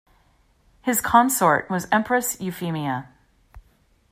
His consort was Empress Euphemia.